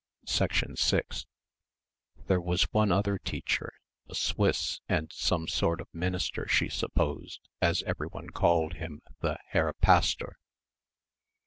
6 There was one other teacher, a Swiss and some sort of minister she supposed as everyone called him the Herr Pastor.